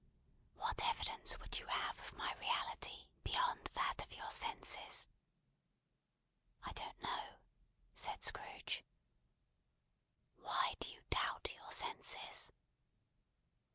"What evidence would you have of my reality beyond that of your senses?" "I don't know," said Scrooge. "Why do you doubt your senses?"